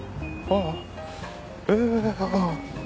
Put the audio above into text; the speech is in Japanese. ああ。